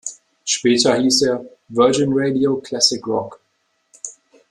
Später hieß er "Virgin Radio Classic Rock".